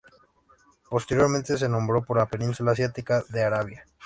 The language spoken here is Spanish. Posteriormente se nombró por la península asiática de Arabia.